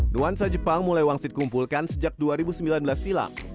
nuansa jepang mulai wangsit kumpulkan sejak dua ribu sembilan belas silam